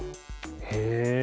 へえ！